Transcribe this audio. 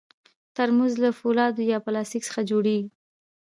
ترموز له فولادو یا پلاستیک څخه جوړېږي.